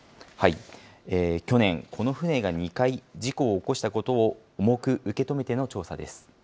去年、この船が２回、事故を起こしたことを重く受け止めての調査です。